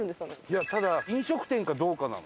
いやただ飲食店かどうかなの。